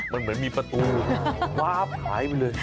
มันเหมือนมีประตูฟ้าผายไปเลย